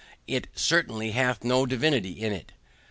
It certainly hath no divinity in it.